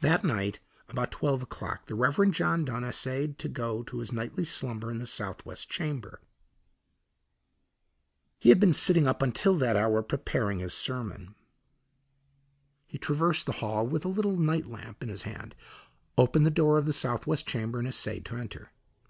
That night about twelve o'clock the Reverend John Dunn essayed to go to his nightly slumber in the southwest chamber. He had been sitting up until that hour preparing his sermon. He traversed the hall with a little night lamp in his hand, opened the door of the southwest chamber, and essayed to enter.